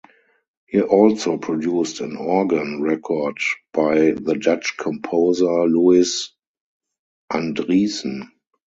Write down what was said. He also produced an organ record by the Dutch composer Louis Andriessen.